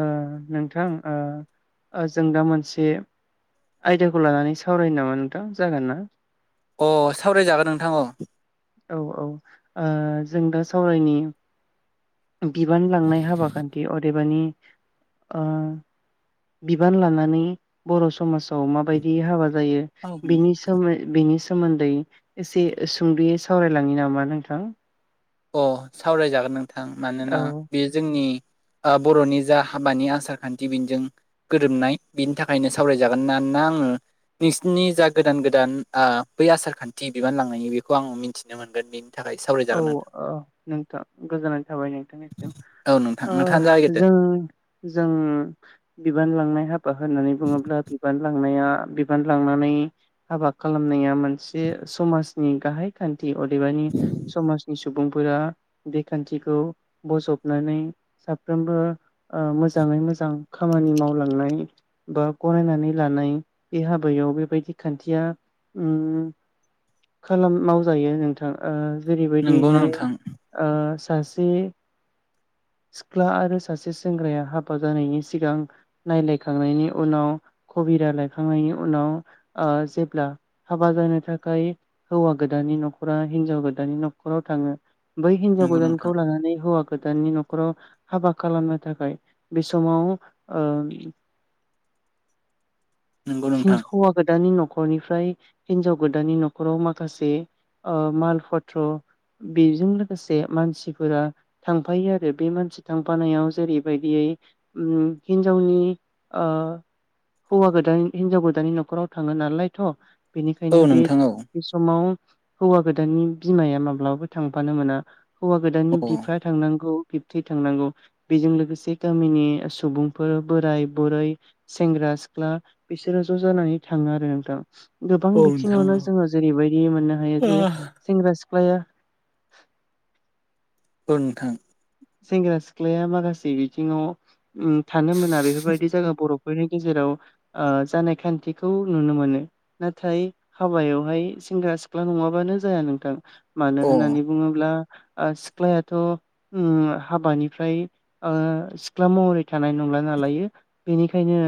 ओ नोंथां ओ जों दा मोनसे आयदाखौ लानानै सावरायनो नामा नोंथां जागोन ना? अ सावरायजागोन नोंथां औ औ औ ओ जों दा सावरायनि बिबान लांनाय हाबा खान्थि अदे बिबाननि ओ बिबान लानानै बर' समाज औ माबायदि हाबा जायो। बिनि सो बिनि सोमोन्दै एसे सुंद'यै सावरायलांनि नामा नोंथां? अ सावरायजागोन नोंथां मानोना औ बेज जोंनि ओ बर'नि जा हाबानि आसार-खान्थि बेजों गोरोमनाय बिनि थाखायनो सावरायजागोन नानोना आंङो नोंसिनि जा गोदान-गोदान ओ बै आसारखान्थि बिबान लांनायनि बेखौ आं मिन्थिनो मोनगोन। बि औ ओ नोंथां गोजोननाय थाबाय, नोंथां। औ नोंथां नोंथाङानो ओह जागायग्रोदो जों जों बिबान लांनाय हाब बा होननानै बुङोब्ला बिबान लांनाया। बिबान लांनानै हाबा खालामनाया मोनसे समाजनि गाहाय। खान्थि अदेबानि समाजनि सुबुंफोरा बे खान्थिखो बजबनानै साफ्रोमबो ओ मोजाङै मोजां खामानि मावलांनाय। बा गनायनानै लानाय बे हाबायाव बेबायदि खान्थिया ओम खालाम मावजायो नोंथां ओ नंगौ जेरैबायदिहाय नोंथां ओ सासे सिख्ला आरो सासे सेंग्राया हाबा जानायनि सिगां नायलायखांनायनि उनाव कबिरा लायखांनायनि उनाव ओ जेब्ला हाबा जानो थाखाय हौवा गोदाननि न'खरा, हिनजाव गोदानि न'खराव थाङो। बै हिन्जाव नंगौ नोंथां गोदानखौ लानानै हौवा गोदाननि न'खर नखराव हाबा खालामनो थाखाय बे समाव नंगौ नोंथां। हौवा गोदानानि न'खरनिफ्राय हिनजाव गोदानानि न'खराव माखासे माल पत्र बेजों लोगोसे मानसिफोरा थांफायो आरो। बे मानसि थांफानायाव जेरैबायदियै ओ हिन्जावनि ओ हौवा गोदान हिनजाव गोदान न'खराव थाङो नालायथ' बेनिखायनो औ बे नोंथां औ बे समाव हौवा गोदाननि बिमाया माब्लाबाबो थांफानो मोना। हौवा गोदाननि औ बिफा थांनांगौ बिबथै थांनांगौ बेजों लोगोसे गामिनि सुबुंफोर बोराय बुरै सेंग्रा सिख्ला बिसोरो ज' जानानै थाङो आरो नोंथां। गोबां औ नोंथां बिथिङावनो औ जोङो जेरैबायदि मोननो हायो जे औ सेंग्रा सिख्लाया औ नोंथां। सेंग्रा सिख्लाया माखासे बिथिङाव थानो मोना बेफोरबायदि जायगा बर' बनि गेजेराव ओ जानाय खान्थिखौ नुनो मोनो। नाथाय हाबायावहाय सेंग्रा सिख्ला नङाबानो जाया नोंथां। मानो अ होननानै बुङोब्ला सिख्लायाथ' ओम हाबानिफ्राय ओ सिख्ला महरै थानाय नंला नालायो बेनिखायनो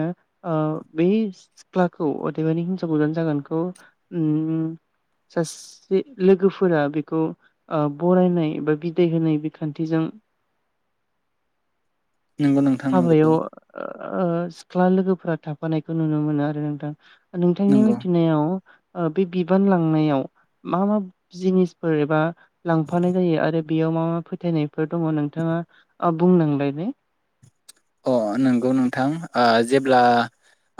ओ बै सिख्लाखौ अदेबानि हिनजाव गोदान जागोनखौ ओम सासे लोगोफोरा बेखौ बरायनाय बा बिदाय होनाय खानथिजों नंगौ नों हाबायाव ओ सिख्ला लोगोफोरा थांफानायखौ नुनो मोनो आरो नोंथां। नोंथांनि नंगौ मिथिनायाव बे बिबान लांनायाव मा मा जिनिसफोर एबा लांफानाय जायो आरो बेयाव मा मा फोथायनायफोर दङ नोंथाङा आ बुं नांलाय बे अ नंगौ नोंथां। आ जेब्ला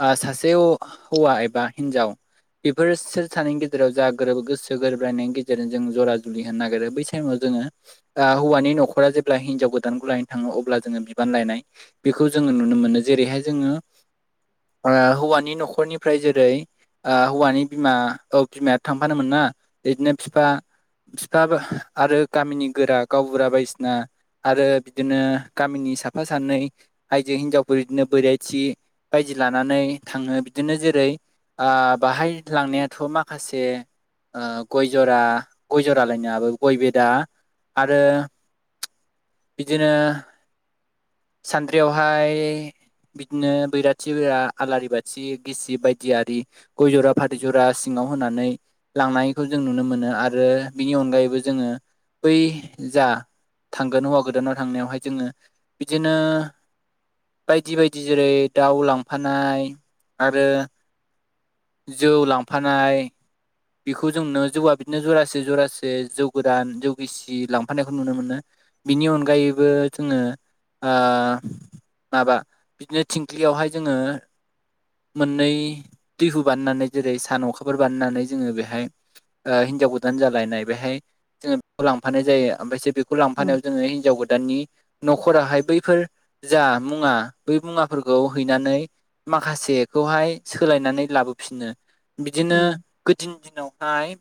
आ सासे हौवा एबा हिनजाव। बेफोर सोर सानैनि गेजेराव जा गोरोब गोसो गोरोबलायनायनि गेजेरजों जों जरा जुलि होनो नागिरो बैसोर बै टाइमाव जोङो हौवानि न'खरा जेब्ला हिनजाव गोदानखौ लायनो थाङो अब्ला जोङो बिबान लायनाय। बेखौ जोङो नुनो मोनो जेरैहाय जोङो ओ हौवानि न'खरनिफ्राय जेरै- आ हौवानि बिमा औ बिमायाथ' थांफानोन ना बिदिनो बिफा बिफा आरो गामिनि गोरा गावबुरा बायदिसिना आरो बिदिनो गामिनि साफा सानै आइजो हिनजावफोर बिदिनो बैराथि बायदि लानानै थाङो बिदिनो जेरै आ बाहाय लांनायाथ' माखासे आ गय जरा गय जरालायनो आंहाबो गय बेदा आरो बिदिनो सानद्रियावहायो बिदिनो बैराथिफोरा आलारि बाथि गिसिब बादियारि गय जरा फाथै जरा सिङाव होनानैहा लांनायखौ जों नुनो मोनो आरो बिनि अनगायैबो जोङो बै जायो थांगोन हौवा गोदानाव थांनायावहाय जोङो बिदिनो बायदि बायदि जेरै दाउ लांफानाय आरो जौ लांफानाय बेखौ जोंनो जौआ बिदिनो जरासे जरासे जौ गोदान जौ गिसि सि लांफानायखौ नुनो मोनो बिनि अनगायैबो जोङो ओङो माबा बिदिनो थिंख्लियावहाय जोङो। मोननै दैहु बानायनानै जेरै सान अखाफोर बानायनानै जोङो बेहायो ओ हिनजाव गोदान जालायनाय बेहाय जोङो बेखौ लांफानाय जायो ओमफ्रायसो खौ उम लांफानायाव जोङो हिनजाव गोदाननि न'खराहाय बैफोरो जा मुङा बै मुवाफोरखौ हैनानैहा माखासेखौहाय सोलायनानै लाबोफिनो बिदिनो उम गोदोनि दिनावहायो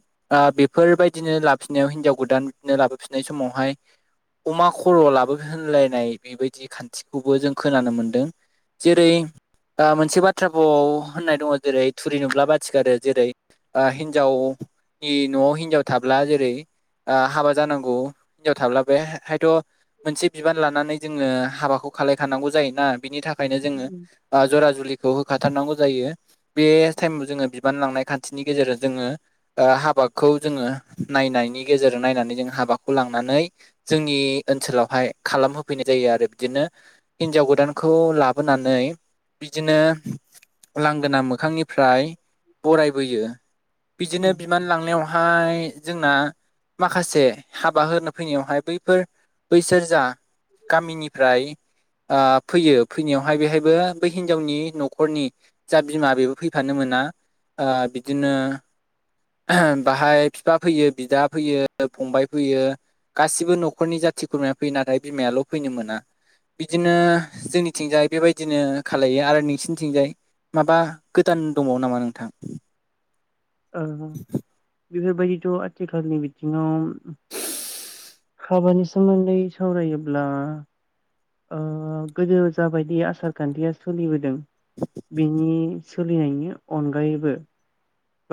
बेफोरबायदिनो लाफिननायाव हिनजाव गोदाननो लाबोफिननाय समावहायो मा अमा खर' लाबो होनलायनाय बेबायदि खान्थिखौबो जों खोनानो मोनदों। जेरै मोनसे बाथ्राफोराव होननाय दङ जेरै थुरि नुब्ला बाथि गारो जेरै ओ हिन्जावनि न'आव हिनजाव थाब्ला जेरै ओ हाबा जानांगौ हिनजाव थाब्ला बे हायथ' मोनसे बिबान लानानै जोङो हाबाखौबो ओ खौ खालामलायखानांगौ जायो ना बिनि थाखायनो जोङो उम जरा जुलिखौ होखाथारनांगौ जायो। बे टाइमाव जोङो बिबान लांनाय खान्थिनि गेजेरजों जोङो। हाबाखौ जोङो नायनायनि गेजेरजों नायनानै जों हाबाखौ लांनानैनो जोंनि ओनसोलावहायो खालाम होफैनाय जायो आरो बिदिनो हिनजाव गोदानखौ लाबोनानै बिदिनो लांगोना मोखांनिफ्राय बरायबोयो बिदिनो उम बिमान लांनायावो फाय जोंना माखासे हाबा होनो फैनायावहाय बैफोर बैसोरजा गामिनिफ्रायो फैयो फैनायावहाय बेहायबो बै हिनजावनि न'खरनि ओ जा बिमा बेबो फैफानो मोना बिदिनो ओ उम बाहाय बिफा फैयो बिदा फैयो फंबाय फैयो। गासिबो न'खरनि जाथि खुरमाया फैयो नाथाय बिमायाल' फैनो मोना। बिदिनो जोंनिथिंजाय बेबादिनो खालामलायो आरो नोंसिोरनिथिंजाय माबा गोदान दंबावो नामा नोंथांआ बेफोरबादिथ' आथिखालनि बिथिङाव हाबानि सोमोन्दै सावरायोब्लायो ओ गोदो जाबायदि आसार खान्थिया सोलिबोदों बिनि सोलिनायनि अनगायैबो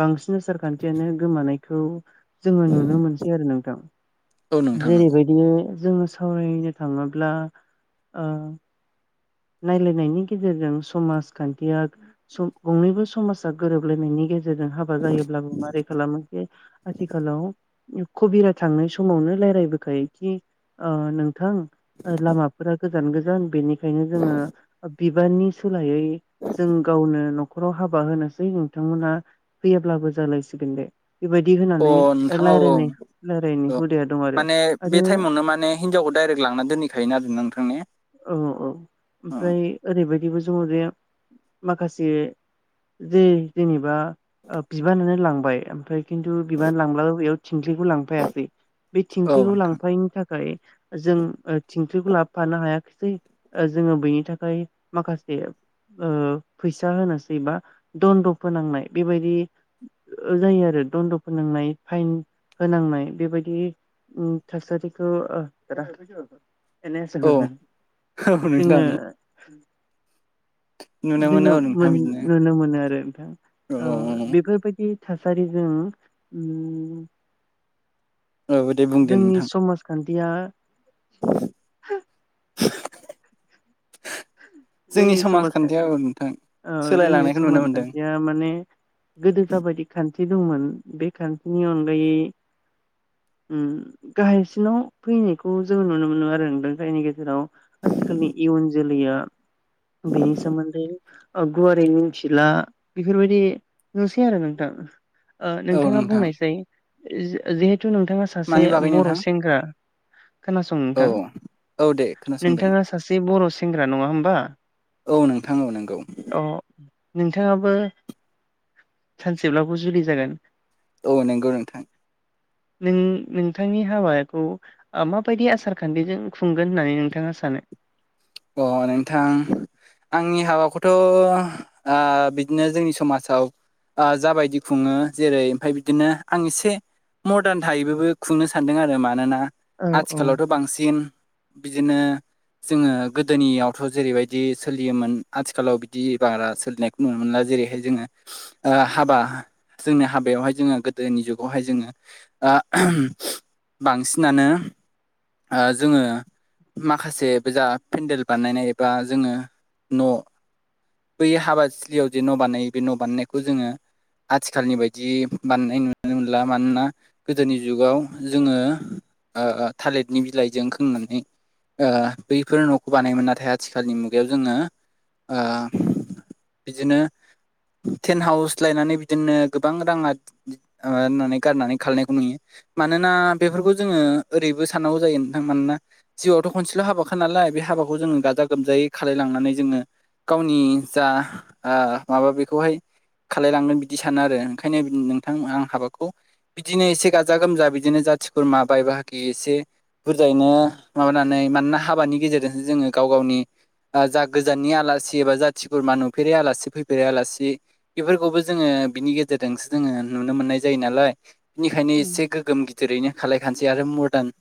बांसिन आसारखान्थियानो गोमानायखौओ जोङो नुनो मोनसै आरो नोंथां औ नोंथां नंगौ जेरैबादि बिनो जोङो सावरायनो थाङोब्ला। ओ नायलायनायनि गेजेरजों समाजखान्थिया गंनैबो समाजा गोरोबलायनायनि गेजेरजों गेजेरजों हाबा जायोब्लाबो माबारै खालामो आथिखालावो कबिरा थांनाय समावनो रायलायबोखायोखि नोंओ गोथां लामाफोरा गोजान गोजान बेनिखायनोआ जोङो बिबारनि सोलायैओ जों गावनो न'खराव हाबा होनोसै नोंथांमोना फैयाब्लाबो जालायसिगोन दे बेबादि अ होनानै नोंथां औ औ रायलायनायनि औ हुदाया दं आरो माने बे आरो। टाइमावनो माने हिनजावखौ डाइरेक लांना दोनहैखायोन आरो नोंथांनि औ औ ओमफ्राय ओरैबायदिबो जोङो जे माखासे जे जेनेबा बिबानानो लांबाय ओमफ्राय खिन्थु बिबान लांब्लाबो बेयाव थिंख्लिखौ लांफायासै बे औ थिंख्लिखौ नोंथां लांफायिनि थाखाय जों थिंख्लिखौ लाबोफानो हाया खै जोङो बैनि थाखाय माखासे ओ फैसा होनोसै बा दन्द' फोनांनाय बेबायदि जायो आरो दन्द' फोनांनाय फाइन होनांनाय बेबायदि उम थासारिखौ ओ औ [unintelligible] औ नोंथां जोङो नुनो मोनो जोङो औ नोंथां मोन बिदिनो नुनो मोनो आरो औ औ बेफोरबायदि थासारिजों उम औ औ दे बुंदो जोंनि नोंथां समाज खान्थिया [inaudible] जोंनि समाजखान्थियाव औ नोंथां ओ जोंनि सोलायलांनायखौ नुनो मोनदों समाजखान्थिया माने गोदो जाबायदि खान्थि दंमोन बे खान्थिनि अनगायै गाहायसिनाव फैनायखौ जोङो नुनो मोनो आरो नोंथां जायनि गेजेराव आथिखालनि इयुन जोलैया बेनि सोमोन्दै गुवारै मिनथिला बेफोरबायदि नुसै आरो नोंथां ओ औ नोंथाङा नोंथां बुंनायसै जिहेथु नोंथाङा मानि सासे बागै बर' नोंथां सेंग्रा खोनासं औ नोंथां औ दे खोनासंदों नोंथाङा सासे बर' सेंग्रा नङा होमबा औ नोंथां औ नोंगौ अ नोंथाङाबो सानसेब्लाबो जुलि जागोन औ नंगौ नोंथां नों नोंथांनि हाबाखौ माबायदि आसार खान्थिजों खुंगोन होननानै नोंथाङा सानो अ नोंथां आंनि हाबाखौथ' बिदनो जोंनि समाजाव ओ जाबायदि खुङो जेरै ओमफाय बिदिनो आं एसे मदार्न थायेबैबो खुंनो सानदों आरो मानोना औ औ आथिखालावथ' बांसिन बिदिनो जोङो गोदोनियावथ' जेरैबायदि सोलियोमोन आथिखालाव बिदि बारा सोलिनायखौ नुनो मोनला जेरैहाय जोङो हाबा जोंनि हाबायावहाय जोङो गोदोनि जुगावहाय जोङो आ बांसिनानो आ जोङो माखासे बे जा पेन्देल बानायनाय एबा जोङो न' बै हाबा थिलियाव जे न' बानायो बे न' बानायनायखौ जोङो आथिखालनि बायदि बानायनाय नुनो मोनला मानोना गोदोनि जुगाव जोङो ओ ओ थालिरनि बिलाइजों खोंनानै ओ बैफोर न'खौ बानायोमोन नाथाय आथिखालनि मुगायाव जोङो ओ बिदिनो टेन्ट हाउस लायनानै बिदिनो गोबां राङा ओ माबाननानै [unintelligible] गारनानै खालायनायखौ नुयो मानोना उम बेफोरखौ जोङो ओरैबो सानांगौ जायो नोंथां मानोना जिउवावथ' खनसेल' हाबाखा नालाय बे हाबाखौ जोङो गाजा गोमजायै खालायलांनानै जोङो गावनि जा आ माबा बेखौहाय खालायलांगोन बिदि सानो आरो ओंखायनो नोंथां आं हाबाखौ बिदिनो एसे गाजा गोमजा बिदिनो जाथि खुरमा बाय बाहागि एसे बुरजायैनो माबानानै मानोना हाबानि गेजेरजोंसो जोङो गाव गावनि जा गोजाननि आलासि एबा जाथि खुरमा नुफेरै आलासि फैफेरै आलासि बेफोरखौबो जोङो बिनि गेजेरजोंसो जोङो नुनो मोननाय जायो नालाय बेनिखायनो उम एसे गो गोम गिदिरैनो खालायखानोसै आरो मर्दान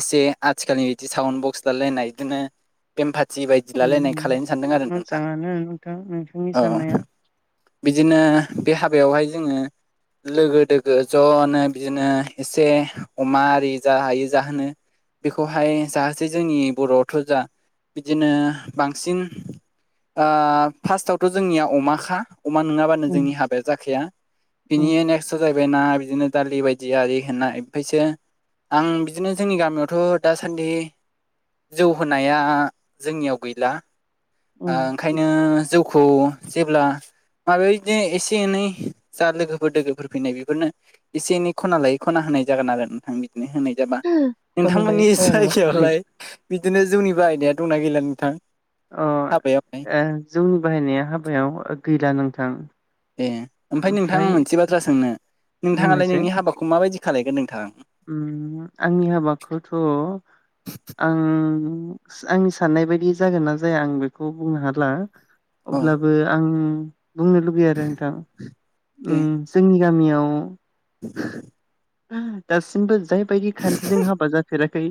एसे आथिखालनि बिदि साउन्ड बक्स थालायलायनाय इदिनो बेमपाथि बायदि लालायनाय उम खालायनो सानदों आरो नोंथां मोजाङानो नोंथां नोंथांनि साननाया औ बिदिनो बे हाबायावहाय जोङो लोगो दोगो ज'नो बिदिनो एसे अमा आरि जा हायो जाहोनो बेखौहाय जाहोसै जोंनि बर'आवथ' जा बिदिनो बांसिन फार्स्टआवथ' जोंनिया अमा खा अमा नोङाबानो उम जोंनि हाबाया जाखाया उम बिनिहाय नेक्स्ट जायैबाय ना बिदिनो दालि बायदि आरि होनना ओमफायसो आं बिदिनो जोंनि गामियावथ' दासान्दि जौ हो नाया जोंनियाव गैला उम ओंखा ओंखायनो जौखौ जेब्ला हाबायाव बिदिनो एसे एनै जा लोगोफोर दोगोफोर फैनाय बेफोरनो एसे एनै खना लायै खना होनाय जागोन आरो नोंथां बिदिनो होनाय जाबा खना लायै नोंथांमोननि खना नङा जायगायावलाय बिदिनो जौनि बाहायनाय दंना गैला नोंथां हाबायावलाय अ जौनि बाहायनाया हाबायाव गैला नोंथां ए ओमफ्राय नोंथां आं मोनसे बाथ्रा सोंनो नोंथाङालाय बुंनायसाय नोंनि हाबाखौ माबायदि खालायगोन नोंथाङा आंनि हाबाखौथ' आं आंनि साननाय बायदि जागोन ना जाया आं बेखौ बुंनो हाला अ अब्लाबो आं बुंनो लुबैयो आरो नोंथां दे जोंनि गामियाव [inaudible] दासिमबो जायबायदि खान्थिजों हाबा जाफेराखै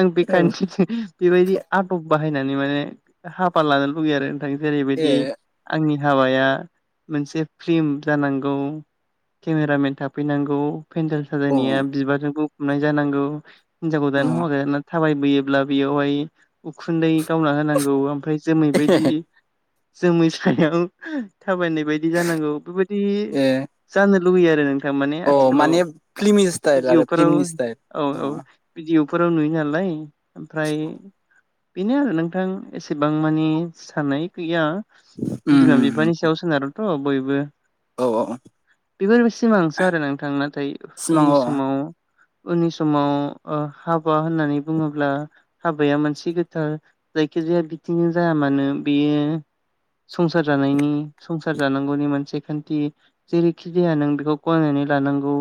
आं बे औ खान्थिजों बेबायदि आदब बाहायनानै माने हाबा लानो लुुबैयो आरो नोंथां जेरैबायदि ए आंनि हाबाया मोनसे फ्लिम जानांगौ केमेरामेन थाफैनांगौ पेनडेल अ साजायनाया बिबारजों बुंफबनाय जानांगौ हिनजाव अ गोदान हौवा गोदाना थाबायबोयोब्ला बेयावहाय उखुन्दै गावना होनांगौ ओमफ्राय जोमै बायदि जोमैसायाव थाबायनाय बायदि जानांगौ बेबायदि ए जानो लुुबैयो आरो नों अ माने फ्लिमि भिदिअफोराव औ औ भिडिअफोराव नुयो नालाय ओमफ्राय बेनो आरो नोंथां एसेबां मानि साननाय गैया उम बिमा उम बिफानि सायाव सोनारोथ' बयबो औ औ बेफोर सिमांसो आरो नोंथां नाथाय सिमां उननि समाव अ उननि समाव हाबा होननानै बुङोब्ला हाबाया मोनसे गोथार जायखिजाया बिथिंजों जाया मानो बेयो संसार जानायनि संसार जानांगौनि मोनसे खान्थि जेरैखि जाया नों बेखौ गनायनानै लानांगौ